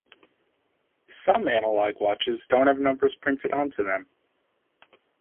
Some Analog watches don't have numbers printed onto them.